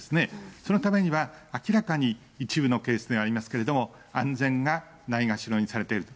そのためには明らかに一部のケースではありますけれども、安全がないがしろにされていると。